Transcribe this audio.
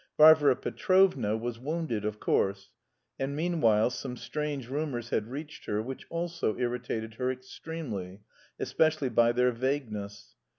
Varvara Petrovna was wounded of course, and meanwhile some strange rumours had reached her which also irritated her extremely, especially by their vagueness.